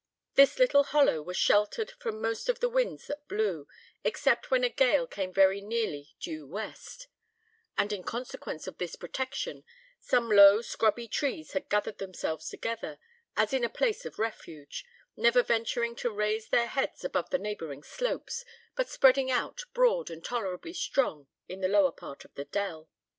This little hollow was sheltered from most of the winds that blew, except when a gale came very nearly due west; and in consequence of this protection some low scrubby trees had gathered themselves together, as in a place of refuge, never venturing to raise their heads above the neighbouring slopes, but spreading out broad and tolerably strong in the lower part of the dell.